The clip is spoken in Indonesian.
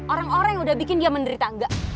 orang orang yang udah bikin dia menderita enggak